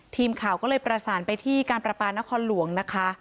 ทีมข่าวก็เลยประสานไปที่การประปานครหลวงนะคะ